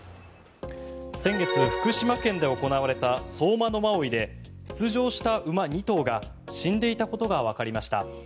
先月、福島県で行われた相馬野馬追で出場した馬２頭が死んでいたことがわかりました。